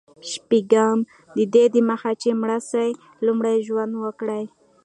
شپږم: ددې دمخه چي مړ سې، لومړی ژوند وکړه.